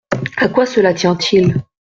À quoi cela tient-il ?